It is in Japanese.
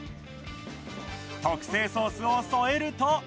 特製ソースを添えると完成！